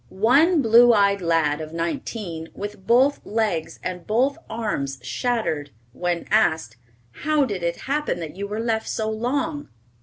One blue eyed lad of nineteen, with both legs and both arms shattered, when asked, "How did it happen that you were left so long?"